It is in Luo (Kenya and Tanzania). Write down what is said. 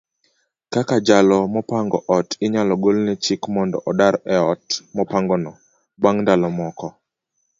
kaka jalo mopango ot inyalo golne chik mondo odar eot mopangono bang' ndalo moko.